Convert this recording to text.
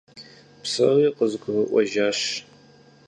Псори къызгурыӀуэжащ.